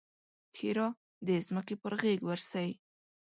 ښېرا: د ځمکې پر غېږ ورسئ!